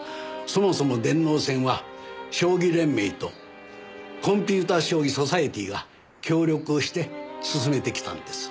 そもそも電脳戦は将棋連盟とコンピューター将棋ソサエティーが協力をして進めてきたんです。